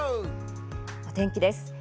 お天気です。